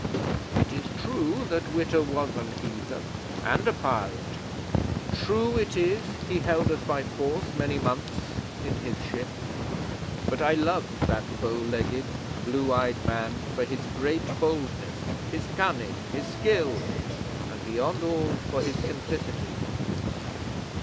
It is true that Witta was an heathen and a pirate; true it is he held us by force many months in his ship, but I loved that bow legged, blue eyed man for his great boldness, his cunning, his skill, and, beyond all, for his simplicity.'